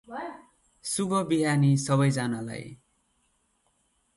शुभ बिहानी सबैजनालाई ।